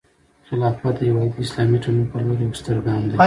خلافت د یوې واحدې اسلامي ټولنې په لور یوه ستره ګام دی.